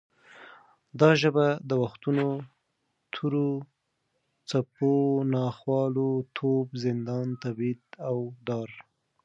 دا ژبه د وختونو تورو څپو، ناخوالو، توپ، زندان، تبعید او دار